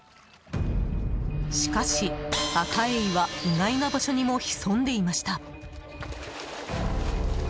しかし、アカエイは意外な場所にも潜んでいました。